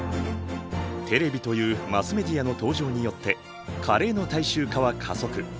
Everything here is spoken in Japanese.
テレビというマスメディアの登場によってカレーの大衆化は加速。